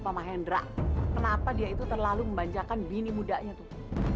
pak mahendra kenapa dia itu terlalu membanjakan bini mudanya tuh